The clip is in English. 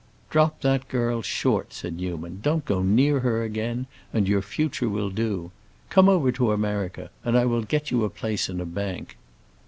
"Drop that girl, short," said Newman; "don't go near her again, and your future will do. Come over to America and I will get you a place in a bank."